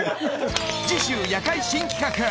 次週「夜会」新企画！